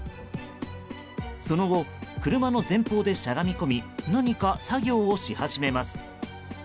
その後、車の前方でしゃがみ込み何か作業をし始めます。